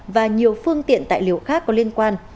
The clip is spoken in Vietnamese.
và nhiều phương tiện tài liệu khác có liên quan